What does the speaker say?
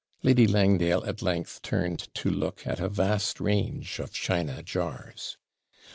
Lady Langdale at length turned to look at a vast range of china jars.